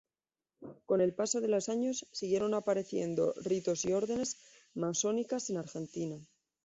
Con el paso de los años, siguieron apareciendo ritos y Órdenes masónicas en Argentina.